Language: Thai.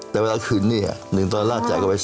แต่เวลาคืนนี้หนึ่งตลาดจ่ายกันไป๔๙